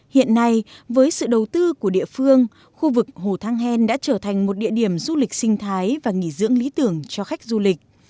hiện nay với sự đầu tư của địa phương khu vực hồ thang hèn đã trở thành một địa điểm du lịch sinh thái và nghỉ dưỡng lý tưởng cho khách du lịch